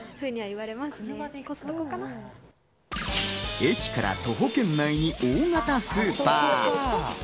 駅から徒歩圏内に大型スーパー。